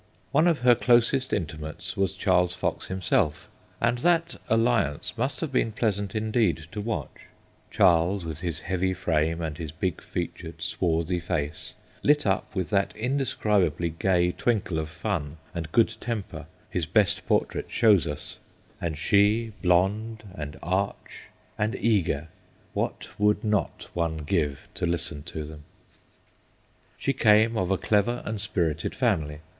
One of her closest intimates was Charles Fox himself, and that alliance must have been pleasant indeed to watch Charles with his heavy frame and his big featured, swarthy face, lit up with that indescribably gay twinkle of fun and good temper his best portrait shows us ; and she, blonde and arch and eager what would not one give to listen to them ? 34 THE GHOSTS OF PICCADILLY She came of a clever and spirited family.